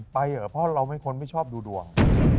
ไปเหอะเพราะเราคนไม่ชอบดูดวง